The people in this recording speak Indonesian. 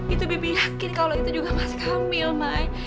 itu bibi yakin kalo itu juga mas kamil mai